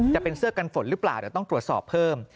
จะเป็นเสื้อกันฝนหรือเปล่าเดี๋ยวต้องตรวจสอบเพิ่ม